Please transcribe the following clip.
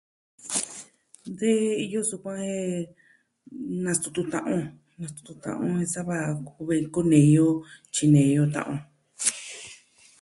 De iyo sukuan jen, nastutu ta'an on. Nastutu ta'an on sava kuvi kunei o tyinei o ta'an on.